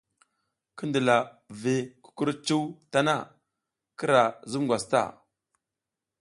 Ki ndila vi kukurcuw tana, kira zub ngwas ta.